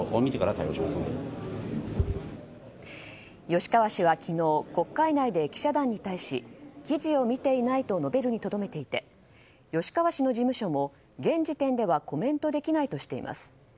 吉川氏は昨日国会内で記者団に対し記事を見ていないと述べるにとどめていて吉川氏の事務所も現時点ではコメントできないとしています。